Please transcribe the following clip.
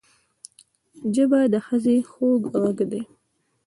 ژبه د ښځې خوږ غږ دی